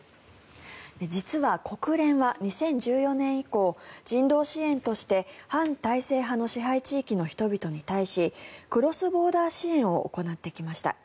実は国連は２０１４年以降人道支援として反体制派の支配地域の人々に対しクロスボーダー支援を行ってきました。